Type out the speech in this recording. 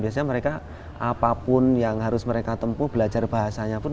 biasanya mereka apapun yang harus mereka tempuh belajar bahasanya pun